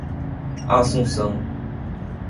Assunção